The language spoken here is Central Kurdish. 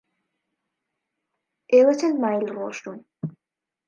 ئێوە چەند مایل ڕۆیشتوون؟